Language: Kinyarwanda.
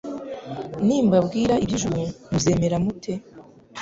nimbabwira iby'ijuru muzemera mute?»